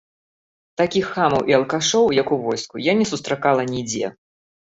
Такіх хамаў і алкашоў, як у войску, я не сустракала нідзе!